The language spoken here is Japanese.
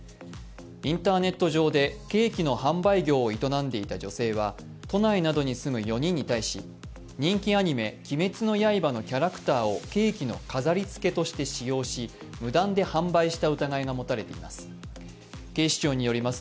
インターネット上でケーキの販売業を営んでいた女性は都内などに住む４人に対し人気アニメ「鬼滅の刃」のキャラクターをケーキの飾りつけとして使用し無断で販売した疑いが持たれています。